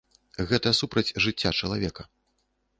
Гэта супраць жыцця чалавека.